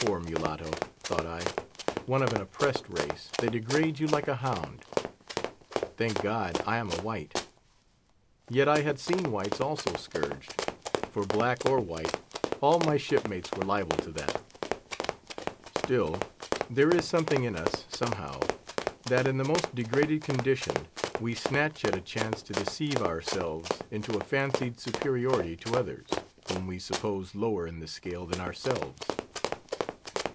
Poor mulatto! thought I, one of an oppressed race, they degrade you like a hound. Thank God! I am a white. Yet I had seen whites also scourged; for, black or white, all my shipmates were liable to that. Still, there is something in us, somehow, that in the most degraded condition, we snatch at a chance to deceive ourselves into a fancied superiority to others, whom we suppose lower in the scale than ourselves.